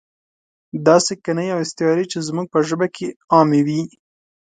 داسې کنایې او استعارې چې زموږ په ژبه کې عامې وي.